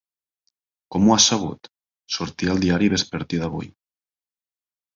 Com ho has sabut? Sortia al diari vespertí d'avui.